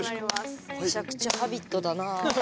むちゃくちゃ「Ｈａｂｉｔ」だな。